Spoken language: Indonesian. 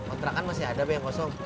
kontrakan masih ada pak yang kosong